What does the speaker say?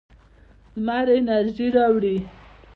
لمر انرژي راوړي.